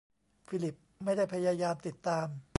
ฟิลิปไม่ได้พยายามติดตาม